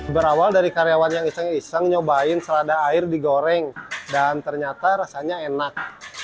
berawal dari karyawan yang iseng iseng nyobain selada air digoreng dan ternyata rasanya enak